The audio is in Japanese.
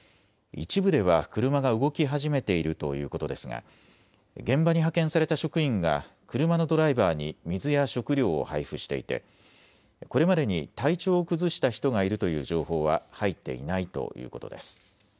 一部では車が動き始めているということですが現場に派遣された職員が車のドライバーに水や食料を配布していてこれまでに体調を崩した人がいるという情報は入っていないということです。